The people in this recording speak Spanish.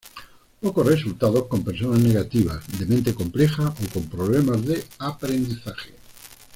Pocos resultados con personas negativas, de mente compleja o con problemas de aprendizaje.